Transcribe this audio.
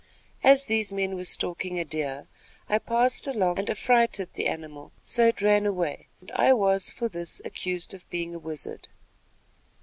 As these men were stalking a deer I passed along and affrighted the animal, so it ran away, and I was for this accused of being a wizard."